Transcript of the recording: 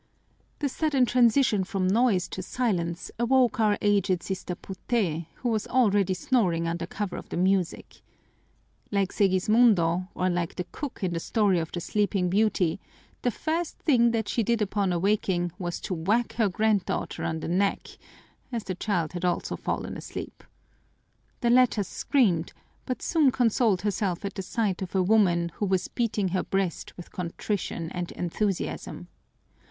The sudden transition from noise to silence awoke our aged Sister Puté, who was already snoring under cover of the music. Like Segismundo, or like the cook in the story of the Sleeping Beauty, the first thing that she did upon awaking was to whack her granddaughter on the neck, as the child had also fallen asleep. The latter screamed, but soon consoled herself at the sight of a woman who was beating her breast with contrition and enthusiasm.